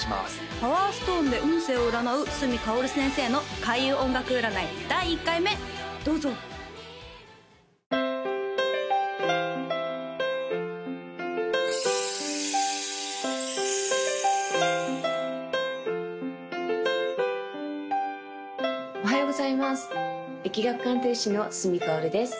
パワーストーンで運勢を占う角かおる先生の開運音楽占い第１回目どうぞおはようございます易学鑑定士の角かおるです